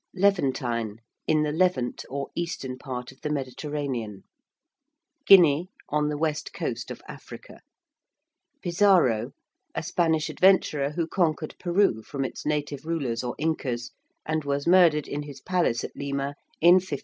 ~Levantine~, in the Levant, or eastern part of the Mediterranean. ~Guinea~, on the west coast of Africa. ~Pizarro~: a Spanish adventurer who conquered Peru from its native rulers or Incas, and was murdered in his palace at Lima in 1541.